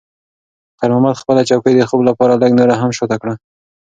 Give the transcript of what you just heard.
خیر محمد خپله چوکۍ د خوب لپاره لږ نوره هم شاته کړه.